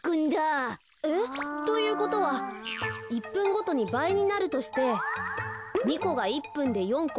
え？ということは１ぷんごとにばいになるとして２こが１ぷんで４こ。